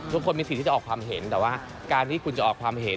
คนมีสิทธิ์ที่จะออกความเห็นแต่ว่าการที่คุณจะออกความเห็น